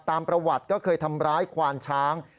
ตามประวัติก็เคยทำร้ายควานช้าง